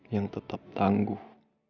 yang tetap tangguh